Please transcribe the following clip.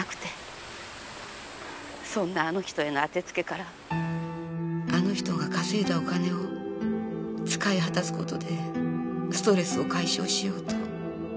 そんなあの人への当て付けからあの人が稼いだお金を使い果たす事でストレスを解消しようと。